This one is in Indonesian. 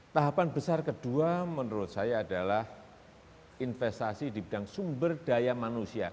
tahapan besar kedua menurut saya adalah investasi di bidang sumber daya manusia